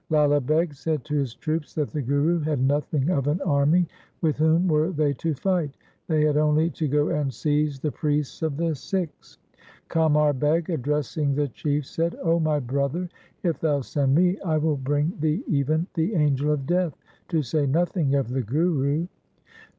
Lala Beg said to his troops that the Guru had nothing of an army ; with whom were they to fight ? They had only to go and seize the priest of the Sikhs. Oamar Beg addressing the Chief said, ' O my brother, if thou send me, I will bring thee even the angel of Death, to say nothing of the Guru